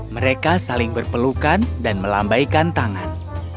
mereka saling berpelukan dan melambaikan tangan